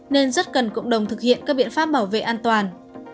nên rất cần cộng đồng thực hiện các biện pháp bảo vệ an toàn